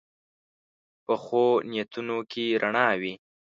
پخو نیتونو کې رڼا وي